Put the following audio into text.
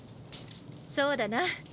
そうだな。